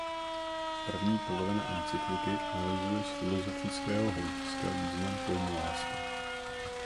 První polovina encykliky analyzuje z filosofického hlediska význam pojmu láska.